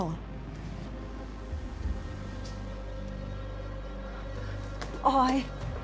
ออย